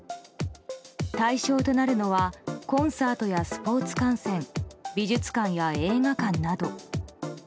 対象となるのはコンサートやスポーツ観戦美術館や映画館など。